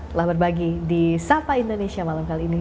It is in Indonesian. telah berbagi di sapa indonesia malam kali ini